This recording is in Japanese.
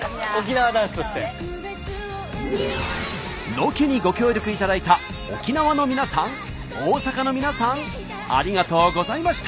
ロケにご協力いただいた沖縄の皆さん大阪の皆さんありがとうございました！